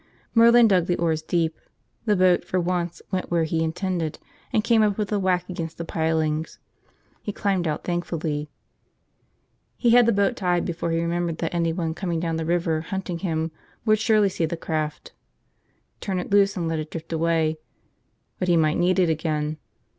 Merlin dug the oars deep. The boat, for once, went where he intended and came up with a whack against the pilings. He climbed out thankfully. He had the boat tied before he remembered that anyone coming down the river, hunting him, would surely see the craft. Turn it loose and let it drift away – but he might need it again.